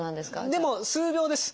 でも数秒です。